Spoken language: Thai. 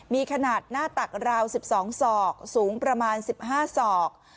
มีขนาดหน้าตักราว๑๒ศอกสูงประมาณ๑๕ศอก